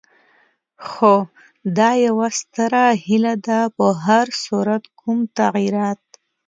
خو دا یوه ستره هیله ده، په هر صورت کوم تغیرات.